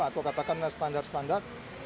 atau katakanlah standar standar